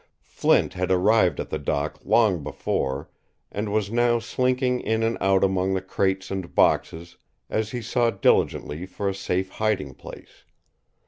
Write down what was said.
Flint had arrived at the dock long before and was now slinking in and out among the crates and boxes as he sought diligently for a safe hiding place.